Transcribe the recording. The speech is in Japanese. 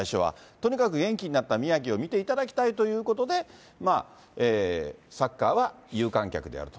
とにかく元気になった宮城を見ていただきたいということで、サッカーは有観客でやると。